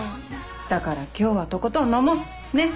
だから今日はとことん飲もうねっ。